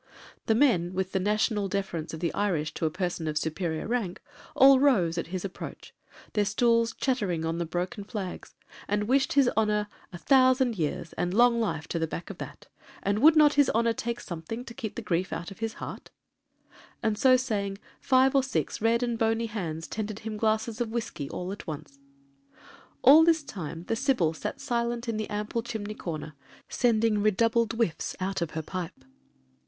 The men, with the national deference of the Irish to a person of superior rank, all rose at his approach, (their stools chattering on the broken flags), and wished his honor 'a thousand years, and long life to the back of that; and would not his honor take something to keep the grief out of his heart;' and so saying, five or six red and bony hands tendered him glasses of whiskey all at once. All this time the Sybil sat silent in the ample chimney corner, sending redoubled whiffs out of her pipe.